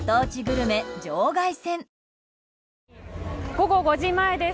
午後５時前です。